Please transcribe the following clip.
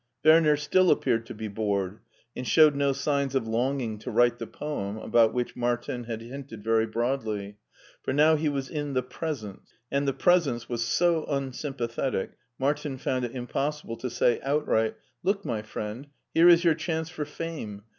Werner still appeared to be bored, and showed no signs of longing to write the poem about which Martin had hinted very broadly, for now he was in the Presence, and the Presence was so unsympa thetic Martin found it impossible to say outright, "Look, my friend, here is your chance for fame.